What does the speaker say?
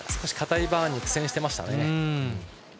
かたいバーンに苦戦していましたね。